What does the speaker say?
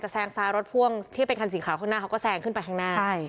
แซงซ้ายรถพ่วงที่เป็นคันสีขาวข้างหน้าเขาก็แซงขึ้นไปข้างหน้าใช่